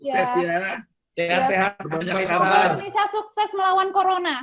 semoga indonesia sukses melawan corona